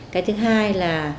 cái thứ hai là